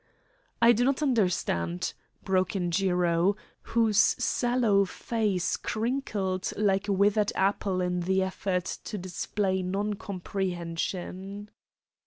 "I do not understand," broke in Jiro, whose sallow face crinkled like a withered apple in the effort to display non comprehension.